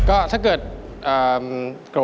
กลับไปก่อนเลยนะครับ